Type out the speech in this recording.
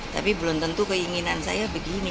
tapi belum tentu keinginan saya begini